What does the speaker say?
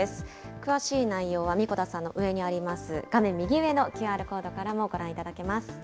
詳しい内容は神子田さんの上にあります、画面右上のＱＲコードからもご覧いただけます。